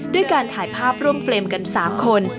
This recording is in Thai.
ด้วยการถ่ายภาพร่วมเฟรมกัน๓คน